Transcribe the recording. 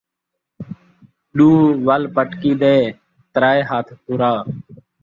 ݙو ول پٹکی دے ترائے ہتھ طُرا